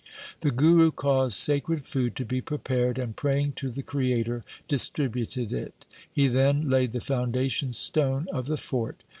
The Guru caused sacred food to be prepared, and praying to the Creator distributed it. He then laid the foundation stone of the fort.